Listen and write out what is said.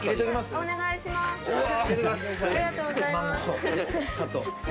お願いします。